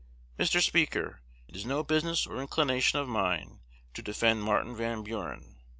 Mr. Speaker, it is no business or inclination of mine to defend Martin Van Buren.